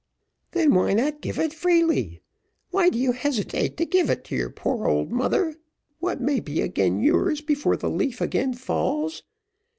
"Then why not give it freely? Why do you hesitate to give to your poor old mother what may be again yours before the leaf again falls?